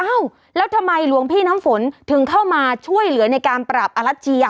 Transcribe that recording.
แล้วทำไมหลวงพี่น้ำฝนถึงเข้ามาช่วยเหลือในการปราบอลัชเชียร์